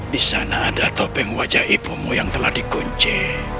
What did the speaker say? di sana ada topeng wajah ibumu yang telah dikunci